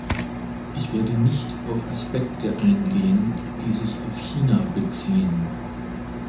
Ich werde nicht auf Aspekte eingehen, die sich auf China beziehen.